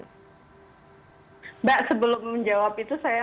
mbak sebelum menjawab itu saya